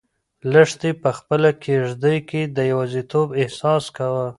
لښتې په خپله کيږدۍ کې د یوازیتوب احساس کاوه.